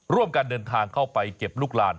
ร่วมกันเดินทางเข้าไปเก็บลูกลาน